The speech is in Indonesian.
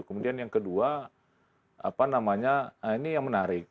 kemudian yang kedua ini yang menarik